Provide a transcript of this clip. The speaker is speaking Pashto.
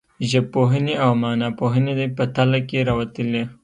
ژبپوهنې او معناپوهنې په تله کې راوتلي.